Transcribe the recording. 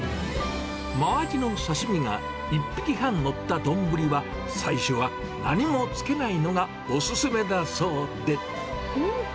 マアジの刺身が１匹半載った丼は、最初は何もつけないのがおうん？